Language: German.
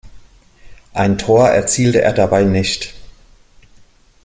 Ein Tor erzielte er dabei nicht.